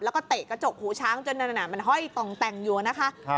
แล้วก็เตะกระจกหูช้างจนนั่นมันห้อยต่องแต่งอยู่นะคะ